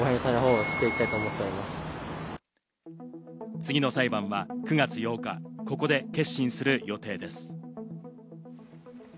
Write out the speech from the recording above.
次の裁判は９月８日、ここで結審する予定です。